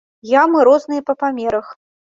Ямы розныя па памерах.